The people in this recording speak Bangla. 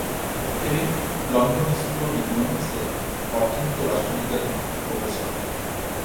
তিনি লন্ডন স্কুল অফ ইকোনমিক্স এর অর্থনীতি ও রাষ্ট্রবিজ্ঞান প্রফেসর।